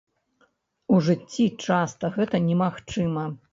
У жыцці часта гэта немагчыма.